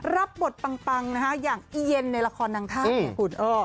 รับบทปังอย่างอีเยนในละครนางท่าพี่ขุน